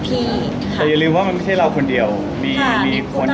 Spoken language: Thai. แต่อย่าลืมว่ามันไม่ใช่เราคนเดียวมีคน